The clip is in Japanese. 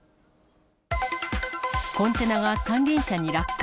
コンテナが三輪車に落下。